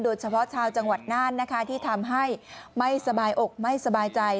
โดยเฉพาะชาวจังหวัดน่านนะคะที่ทำให้ไม่สบายอกไม่สบายใจ